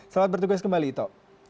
selamat bertemu kembali ito